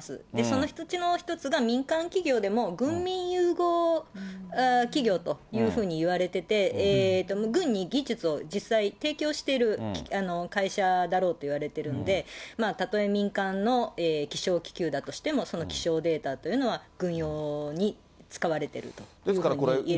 そのうちのが１つが、民間企業でも、軍民融合企業というふうにいわれてて、軍に技術を実際提供している会社だろうといわれてるんで、たとえ民間の気象気球だとしても、その気象データというのは、軍用に使われてるというふうにいえる。